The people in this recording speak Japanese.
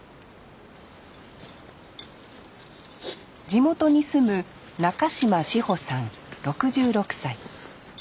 地元に住む中島志保さん６６歳。